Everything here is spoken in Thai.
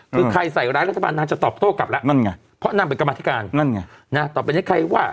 คือใครใส่ร้ายรัฐบางท์นางจะตอบโทษกลับแล้วนั้นไงเพราะนางเป็นกรมาธิการตอบไปในที่ว่า